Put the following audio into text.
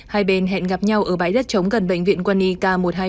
hai bên hẹn gặp nhau ở bãi đất chống gần bệnh viện quân y k một trăm hai mươi